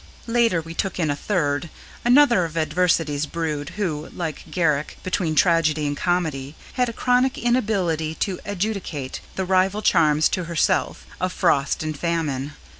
Later, we took in a third another of Adversity's brood, who, like Garrick between Tragedy and Comedy, had a chronic inability to adjudicate the rival claims (to himself) of Frost and Famine.